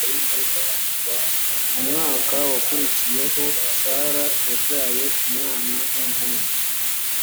mu mwaka wakurikiyeho sara yabyaye umwana w umuhungu